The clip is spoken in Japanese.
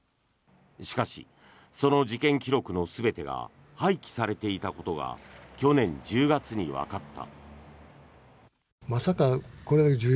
しかし、その事件記録の全てが廃棄されていたことが去年１０月にわかった。